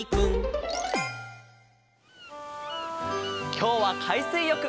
きょうはかいすいよく。